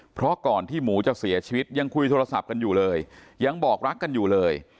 เพราะก่อนที่หมูจะเสียชีวิตยังคุยโทรศัพท์กันอยู่เลยยังบอกรักกันอยู่เลย